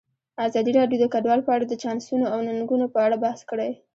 ازادي راډیو د کډوال په اړه د چانسونو او ننګونو په اړه بحث کړی.